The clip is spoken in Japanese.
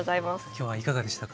今日はいかがでしたか？